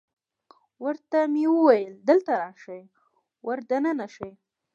ورته مې وویل: دلته راشئ، ور دننه شئ.